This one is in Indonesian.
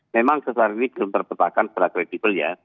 memang sesar ini belum terpetakan secara kredibel ya